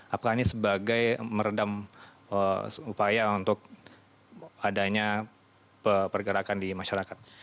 apakah ini sebagai meredam upaya untuk adanya pergerakan di masyarakat